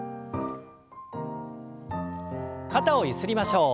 肩をゆすりましょう。